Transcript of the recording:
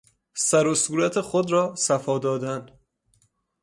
سر و صورت خود را صفاء دادن